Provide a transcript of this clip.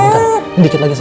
ntar ingin enggak